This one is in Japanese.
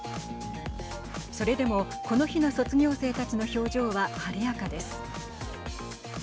それでも、この日の卒業生たちの表情は晴れやかです。